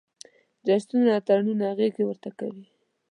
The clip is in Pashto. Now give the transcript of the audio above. جشنونه، اتڼونه او غېږې ورته کوي.